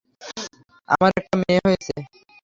আমার একটা মেয়ে হয়েছে।